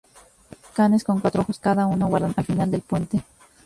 Dos canes con cuatro ojos cada uno guardan al final del puente.